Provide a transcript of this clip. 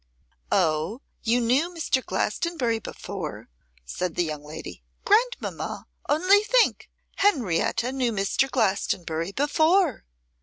'Oh, you knew Mr. Glastonbury before,' said the young lady. 'Grandmamma, only think, Henrietta knew Mr. Glastonbury before.